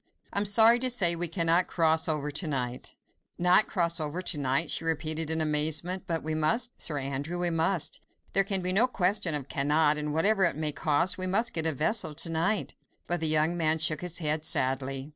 I am sorry to say we cannot cross over to night." "Not cross over to night?" she repeated in amazement. "But we must, Sir Andrew, we must! There can be no question of cannot, and whatever it may cost, we must get a vessel to night." But the young man shook his head sadly.